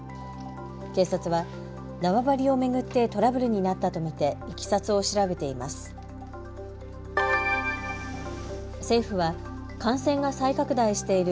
警察は縄張りを巡ってトラブルになったと見ていきさつを調べています。